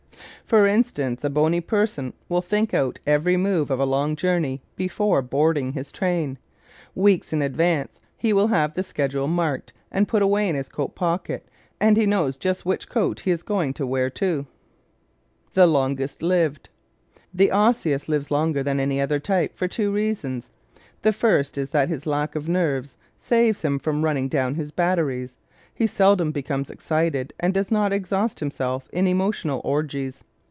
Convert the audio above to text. For instance a bony person will think out every move of a long journey before boarding his train. Weeks in advance he will have the schedule marked and put away in his coat pocket and he knows just which coat he is going to wear too! The Longest Lived ¶ The Osseous lives longer than any other type, for two reasons. The first is that his lack of "nerves" saves him from running down his batteries. He seldom becomes excited and does not exhaust himself in emotional orgies.